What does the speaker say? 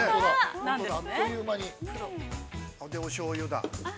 あっという間に◆しょうゆが。